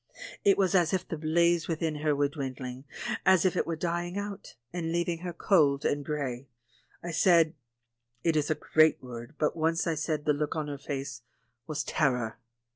It was as if the blaze within her were dwindling, as if it were dying out, and leaving her cold and grey. I said — it is a great word, but once I said the look on her face was "terror."